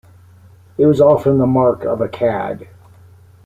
It was often the mark of a cad.